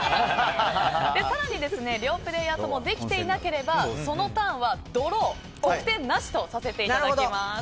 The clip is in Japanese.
更に両プレーヤーともできていなければそのターンはドロー得点なしとさせていただきます。